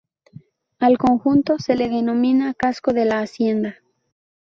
Al conjunto, se le denomina "casco de la hacienda".